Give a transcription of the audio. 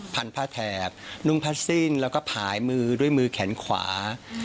พันผ้าแถบนุ่งผ้าสิ้นแล้วก็ผายมือด้วยมือแขนขวา